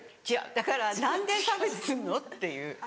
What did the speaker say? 違うだから何で差別すんの？っていう。